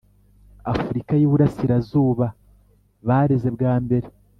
Afurika y Iburasirazuba bareze bwa mbere